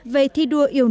về thi đua yêu cầu